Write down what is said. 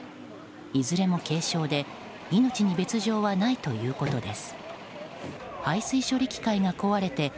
いずれも軽症で命に別条はないということです。